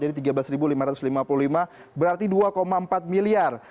jadi rp tiga belas lima ratus lima puluh lima berarti rp dua empat miliar